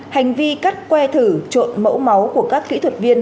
hành vi cắt que thử trộn mẫu máu của các kỹ thuật viên